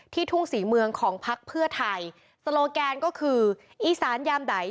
ทุ่งศรีเมืองของพักเพื่อไทยโซโลแกนก็คืออีสานยามใด